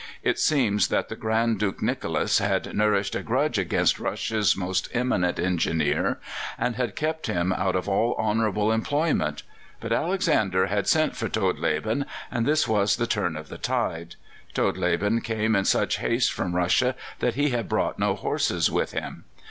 It seems that the Grand Duke Nicholas had nourished a grudge against Russia's most eminent engineer, and had kept him out of all honourable employment. But Alexander had sent for Todleben, and this was the turn of the tide. Todleben came in such haste from Russia that he had brought no horses with him.